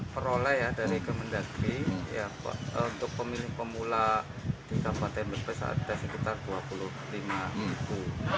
peroleh dari kementerian negeri untuk pemilih pemula di ktp ada sekitar dua puluh lima ibu